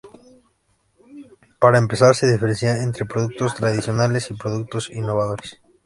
Para empezar, se diferencia entre productos tradicionales y productos innovadores.